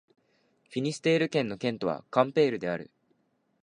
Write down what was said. フィニステール県の県都はカンペールである